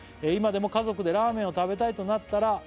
「今でも家族でラーメンを食べたいとなったら」